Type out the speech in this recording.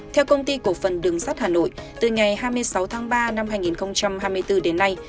theo công ty cổ phần đường sắt hà nội từ ngày hai mươi sáu tháng ba năm hai nghìn hai mươi bốn đến nay